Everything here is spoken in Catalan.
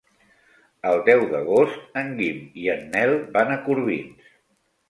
El deu d'agost en Guim i en Nel van a Corbins.